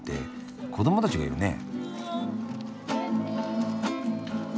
子どもたちがいるね。